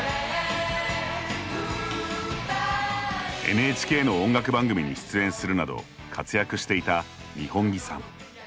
ＮＨＫの音楽番組に出演するなど活躍していた二本樹さん。